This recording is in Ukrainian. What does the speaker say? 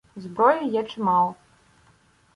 Зброї є чимало.